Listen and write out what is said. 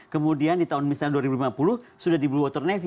kemudian di tahun misalnya dua ribu lima puluh sudah di blue water navy